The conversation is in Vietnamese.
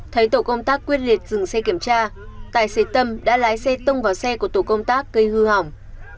thấy tổ công tác quyết liệt dừng xe kiểm tra tài xế tâm đã lái xe tông vào xe của tổ công tác gây hư hỏng